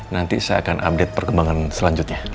nanti saya akan update perkembangan selanjutnya